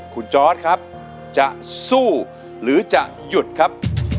คุณจอร์ดครับจะสู้หรือจะหยุดครับ